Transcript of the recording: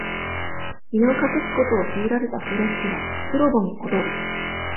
身を隠すことを強いられたフレッチは、プロボに戻る。